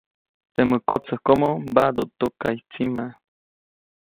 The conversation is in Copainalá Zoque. Temä kotsäjkomo mbaʼduʼt tukaʼy tsima.